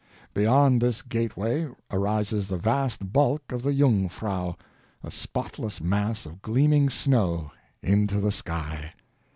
Beyond this gateway arises the vast bulk of the Jungfrau, a spotless mass of gleaming snow, into the sky.